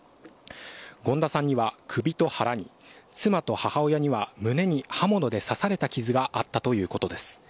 権田さんには首と腹に妻と母親には胸に刃物で刺された傷があったということです。